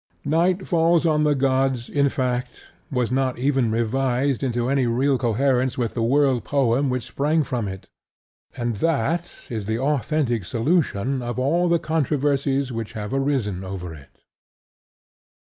Night Falls On The Gods, in fact, was not even revised into any real coherence with the world poem which sprang from it; and that is the authentic solution of all the controversies which have arisen over it.